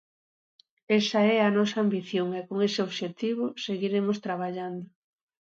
Esa é a nosa ambición, e con ese obxectivo seguiremos traballando.